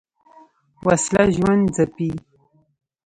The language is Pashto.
وسله ژوند ځپي